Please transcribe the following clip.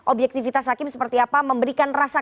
objektivitas hakim seperti apa memberikan rasa